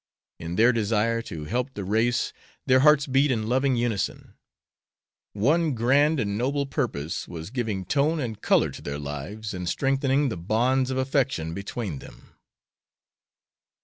In their desire to help the race their hearts beat in loving unison. One grand and noble purpose was giving tone and color to their lives and strengthening the bonds of affection between them.